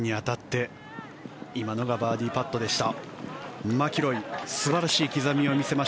ヤングはピンに当たって今のがバーディーパットでした。